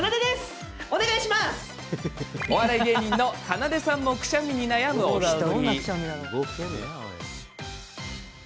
お笑い芸人の、かなでさんもくしゃみに悩む１人。